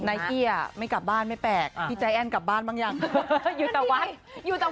ไนกี้อ่ะไม่กลับบ้านไม่แปลกพี่ใจแอ้นกลับบ้านบ้านใหม่รึยัง